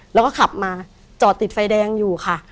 แล้วก็ขับมาจอดติดไฟแดงอยู่ค่ะ